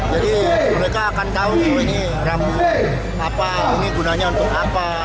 jadi mereka akan tahu ini rambu apa ini gunanya untuk apa